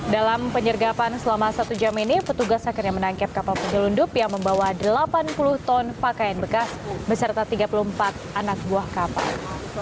dalam penyergapan selama satu jam ini petugas akhirnya menangkap kapal penyelundup yang membawa delapan puluh ton pakaian bekas beserta tiga puluh empat anak buah kapal